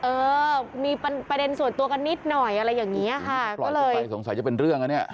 เออมีประเด็นส่วนตัวกันนิดหน่อยอะไรอย่างเงี้ยค่ะก็เลยไปสงสัยจะเป็นเรื่องอ่ะเนี้ย